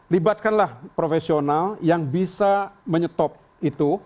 libatkanlah profesional yang bisa menyetop itu